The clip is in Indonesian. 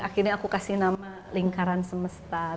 akhirnya aku kasih nama lingkaran semesta